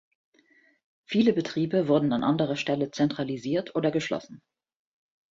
Viele Betriebe wurden an anderer Stelle zentralisiert oder geschlossen.